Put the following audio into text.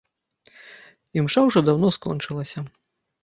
Імша ўжо даўно скончылася.